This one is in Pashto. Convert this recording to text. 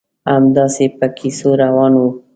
همداسې په کیسو روان وو.